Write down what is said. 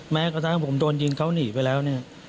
แม้ก็ถ้าผมโดนยิงเขาหนีไปแล้ว